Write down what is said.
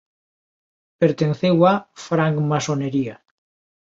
Pertenceu á francmasonería.